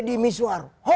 biar aku ceritakan